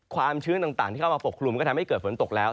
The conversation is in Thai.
ความชื้นต่างที่เข้ามาปกคลุมก็ทำให้เกิดฝนตกแล้ว